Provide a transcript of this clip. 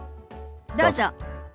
どうぞ。